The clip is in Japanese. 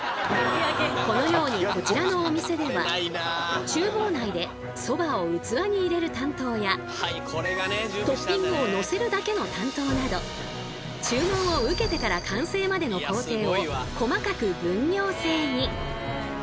このようにこちらのお店では厨房内でそばを器に入れる担当やトッピングをのせるだけの担当など注文を受けてから完成までの工程を細かく分業制に。